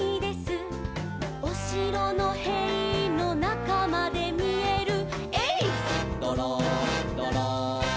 「おしろのへいのなかまでみえる」「えいっどろんどろん」